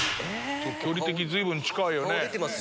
距離的に随分近いよね。